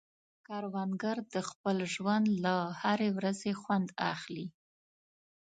کروندګر د خپل ژوند له هرې ورځې خوند اخلي